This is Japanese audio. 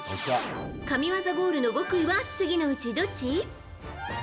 神技ゴールの極意は次のうち、どっち？